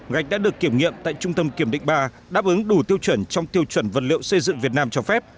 gạch đã được kiểm nghiệm tại trung tâm kiểm định ba đáp ứng đủ tiêu chuẩn trong tiêu chuẩn vật liệu xây dựng việt nam cho phép